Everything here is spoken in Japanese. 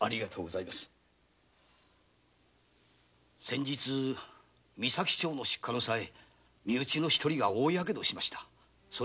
先日三崎町の出火の際身内の一人が大ヤケドをしました。